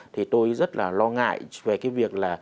thì tôi rất là lo ngại về cái việc là